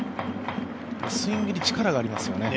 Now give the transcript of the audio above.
スイングに力がありますよね。